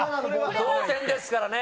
同点ですからね。